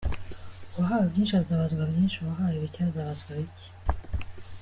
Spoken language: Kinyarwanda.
Uwahawe byinshi azabazwa byinshi n’uwahawe bike azabazwa bike.